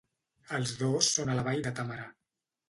Els dos són a la vall de Támara.